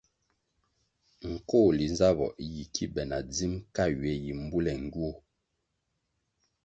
Nkohli nzabpo yi ki be na dzim ka ywe yi mbule ngywuoh.